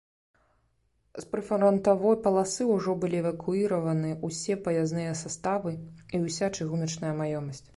З прыфрантавой паласы ўжо былі эвакуіраваны ўсе паязныя саставы і ўся чыгуначная маёмасць.